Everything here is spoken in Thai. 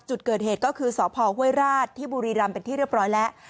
จุดเกิดเหตุก็คือสพห้วยราชที่บุรีรำเป็นที่เรียบร้อยแล้ว